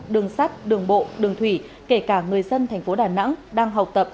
đường sắt đường bộ đường thủy kể cả người dân thành phố đà nẵng đang học tập